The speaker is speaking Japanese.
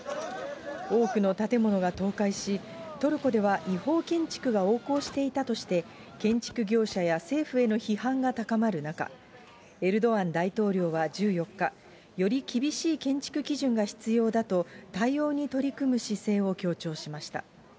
多くの建物が倒壊し、トルコでは違法建築が横行していたとして、建築業者や政府への批判が高まる中、エルドアン大統領は１４日、より厳しい建築基準が必要だと、対応に取り組む姿勢を強調しました。